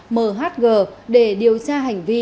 mhg để điều tra hành vi